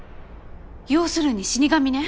要するに死神ね。